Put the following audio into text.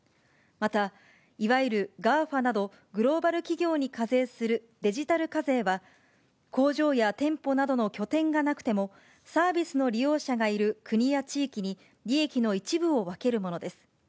またいわゆるＧＡＦＡなど、グローバル企業に課税するデジタル課税は、工場や店舗などの拠点がなくても、サービスの利用者がいる国や地域に利益の一部を分けるものです。